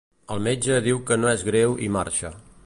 El metge diu que no és greu i marxa.